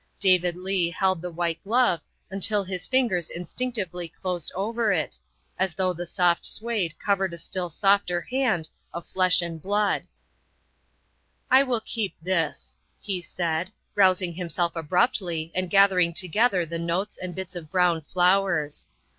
David Leigh held the white glove until his fingers instinctively closed over it, as though the soft suede covered a still softer hand of flesh and blood. " I will keep this," he said, rousing himself abruptly and gathering together the notes and bits of brown flowers.